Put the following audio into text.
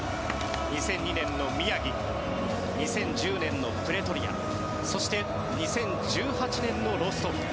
２００２年の宮城２０１０年のプレトリアそして、２０１８年のロストフ。